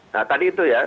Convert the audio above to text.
nah tadi itu ya